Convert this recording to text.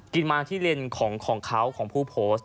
มาที่เลนส์ของเขาของผู้โพสต์